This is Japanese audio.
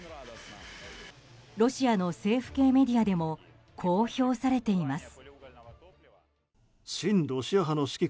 ロシアの政府系メディアでもこう評されています。